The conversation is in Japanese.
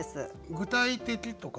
「具体的」とか？